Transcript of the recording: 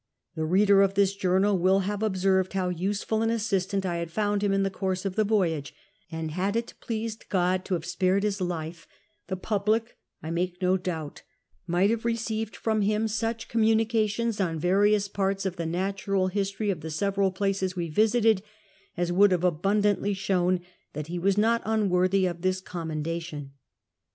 The readei* of this journal will have observed how useful an assistant 1 had found him in the course of the voyage ; and had it pleased God to have spared his life, the public, I make no doubt, might have received from him such communications on various parts of the natural history of the several places we visited, as w^ould have abundantly shown that he was not unworthy of this commendation."